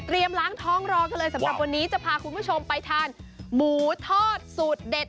ล้างท้องรอกันเลยสำหรับวันนี้จะพาคุณผู้ชมไปทานหมูทอดสูตรเด็ด